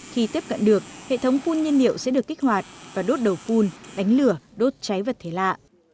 khi tiếp cận được hệ thống phun nhiên liệu sẽ được kích hoạt và đốt đầu phun đánh lửa đốt cháy vật thể lạ